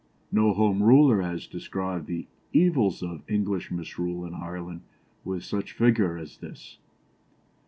" No Home Ruler has described the evils of English misrule in Ireland with such vigour as this.